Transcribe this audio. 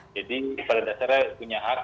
jadi pada dasarnya punya hak